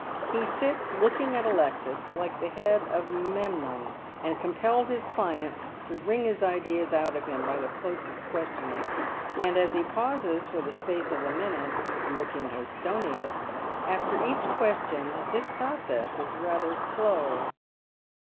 He sits looking at Alexis like the head of Memnon, and compels his client to wring his ideas out of him by the closest questioning ; and as he pauses for the space of a minute, looking his stoniest, after each question, this process is rather slow.